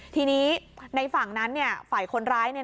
ทีนี้ในฝั่งนั้นไฟคนร้าย